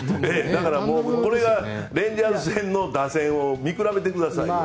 だからこれがレンジャース戦の打線を見比べてください。